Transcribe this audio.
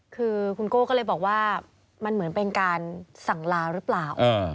คือคุณโก้ก็เลยบอกว่ามันเหมือนเป็นการสั่งลาหรือเปล่า